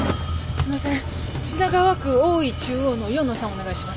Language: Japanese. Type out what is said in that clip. すいません。